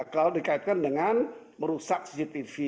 kalau dikaitkan dengan merusak cctv